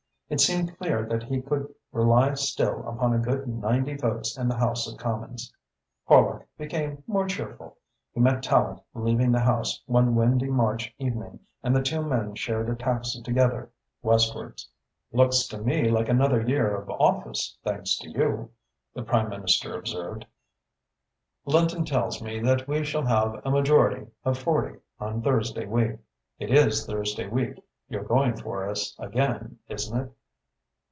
It seemed clear that he could rely still upon a good ninety votes in the House of Commons. Horlock became more cheerful. He met Tallente leaving the House one windy March evening and the two men shared a taxi together, westwards. "Looks to me like another year of office, thanks to you," the Prime Minister observed. "Lenton tells me that we shall have a majority of forty on Thursday week. It is Thursday week you're going for us again, isn't it?"